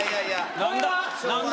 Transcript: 「何だ？